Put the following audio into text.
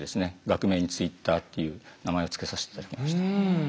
学名に「ｔｗｉｔｔｅｒ」っていう名前をつけさせて頂きました。